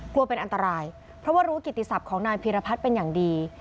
กลัวเป็นอันตรายเพราะว่ารู้กิติศัพท์ของนายพีรพัฒน์เป็นอย่างดี